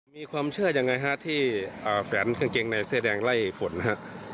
มีความเชื่ออย่างไรฮะที่แฝนกางเกงในเส้นแดงไล่ฝนฮะ